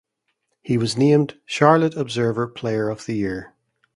He was named "Charlotte Observer" Player of the Year.